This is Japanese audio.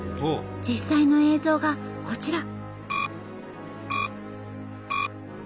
実際の映像がこちら。